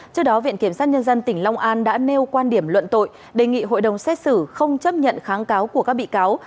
trước đó viện kiểm sát nhân dân tỉnh long an đã nêu quan điểm luận tội đề nghị hội đồng xét xử không chấp nhận kháng cáo của các bị cáo